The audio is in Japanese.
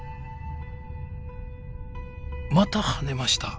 また跳ねました！